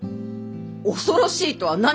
恐ろしいとは何がじゃ！